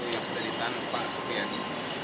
yang sudah ditan pak supriyadi